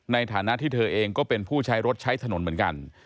ในฐานะที่เธอเองก็เป็นผู้ใช้รถใช้ถนนเหมือนกัน